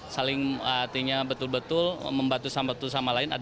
saling hatinya betul betul membantu sama sama lain